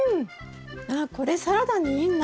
ああこれサラダにいいな。